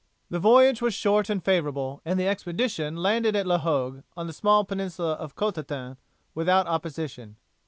The voyage was short and favourable, and the expedition landed at La Hogue, on the small peninsula of Cotentin, without opposition.